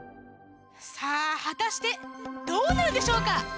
さあはたしてどうなるでしょうか？